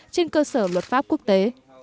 trên cơ sở luật pháp quốc tế